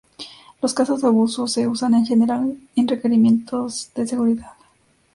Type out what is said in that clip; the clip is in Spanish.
Los casos de abuso se usan en general en requerimientos de seguridad.